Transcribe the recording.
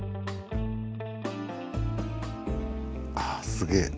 ああすげえ！